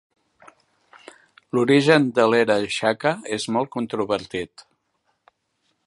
L'origen de l'era Shaka és molt controvertit.